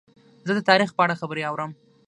زه د تاریخ په اړه خبرې اورم.